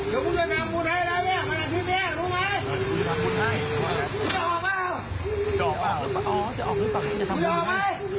อยู่กับพูดจะออกหรือเปล่า